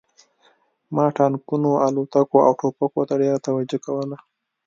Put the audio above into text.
ما ټانکونو الوتکو او ټوپکونو ته ډېره توجه کوله